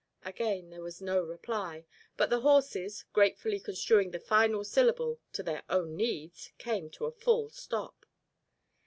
Again there was no reply; but the horses, gratefully construing the final syllable to their own needs, came to a full stop.